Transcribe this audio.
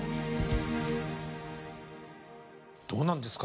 どうなんですか？